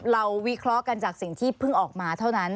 วิเคราะห์กันจากสิ่งที่เพิ่งออกมาเท่านั้น